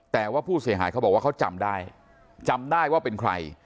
แต่ว่าผู้เสียหายเขาบอกว่าเขาจำได้จำได้ว่าเป็นใคร